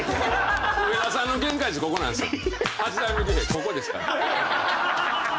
ここですから。